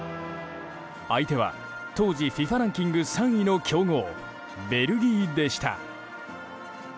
相手は当時ＦＩＦＡランキング３位の強豪ベルギーでした。